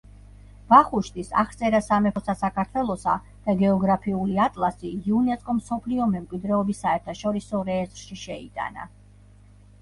ვახუშტის „აღწერა სამეფოსა საქართველოსა“ და „გეოგრაფიული ატლასი“ იუნესკომ მსოფლიო მემკვიდრეობის საერთაშორისო რეესტრში შეიტანა.